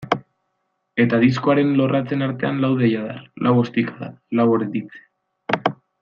Eta diskoaren lorratzen artean lau deiadar, lau ostikada, lau erditze.